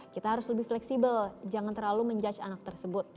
kita harus lebih fleksibel jangan terlalu menjudge anak tersebut